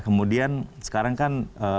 kemudian sekarang kan